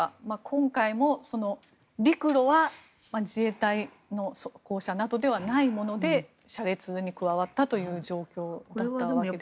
今回も陸路は自衛隊の装甲車ではないもので車列に加わったという状況のわけですが。